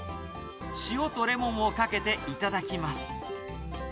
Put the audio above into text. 塩とレモンをかけて頂きます。